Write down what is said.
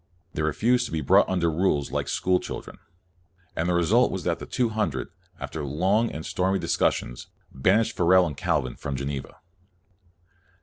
They refused to be brought under rules, like school children. And the result was that the Two Hundred, after long and stormy discussions, banished Farel and Calvin from Geneva.